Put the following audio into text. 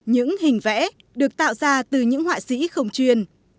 những hình vẽ được tạo ra từ những họa sĩ không truyền